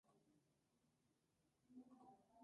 Para los obispos anteriores, ver diócesis de Minas.